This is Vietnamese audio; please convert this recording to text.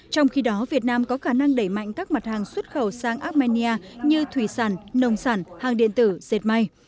trong khi đó việt nam có khả năng đẩy mạnh các mặt hàng xuất khẩu sang armenia như thủy sản nông sản hàng điện tử dệt may